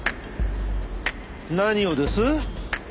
何をです？